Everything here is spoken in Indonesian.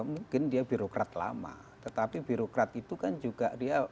mungkin dia birokrat lama tetapi birokrat itu kan juga dia